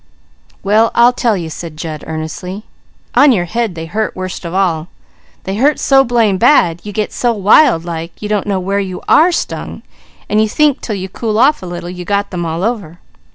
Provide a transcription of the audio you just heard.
"Well I'll tell you," said Jud earnestly. "On your head they hurt worst of all. They hurt so blame bad, you get so wild like you don't know where you are stung, and you think till you cool off a little, you got them all over."